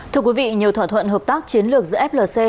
thưa quý vị nhiều thỏa thuận hợp tác chiến lược giữa flc